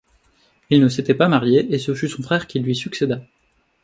Il ne s'était pas marié et ce fut son frère qui lui succéda.